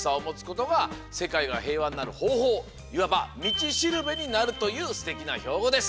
いわばみちしるべになるというすてきなひょうごです。